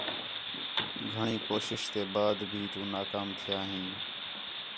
گھݨی کوشش تے بعد بھی تو نا کام تھیا ھیں